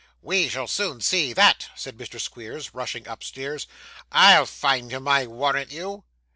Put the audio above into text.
'We shall soon see that,' said Mr. Squeers, rushing upstairs. 'I'll find him, I warrant you.